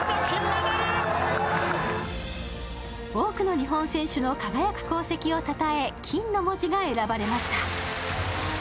多くの日本選手の輝く功績をたたえ、金の文字が選ばれました。